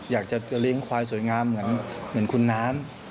อยากจะเลี้ยงควายสวยงามเหมือนคุณน้ำ